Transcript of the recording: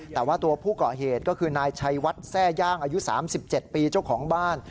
แต่ว่าตัวผู้ก่อเหตุก็คือนายชัยวัดแทร่ย่างอายุ๓๗ปีเจ้าของบ้าน